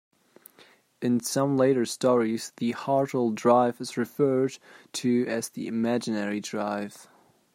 In some later stories the Haertel drive is referred to as the "Imaginary drive".